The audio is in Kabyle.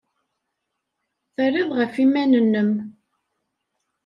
Terrid ɣef yiman-nnem.